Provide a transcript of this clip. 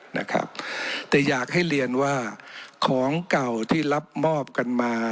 นะครับแต่อยากให้เรียนว่าของเก่าที่รับมอบกันมา